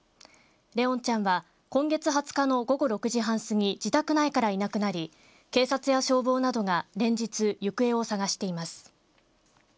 怜音ちゃんは今月２０日の午後６時半過ぎ自宅内からいなくなり警察や消防などが連日行方を捜しています。